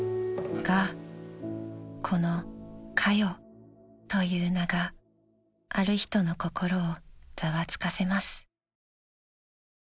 ［がこの「華代」という名がある人の心をざわつかせます］